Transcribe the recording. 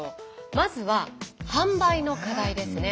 まずは販売の課題ですね。